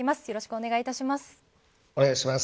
よろしくお願いします。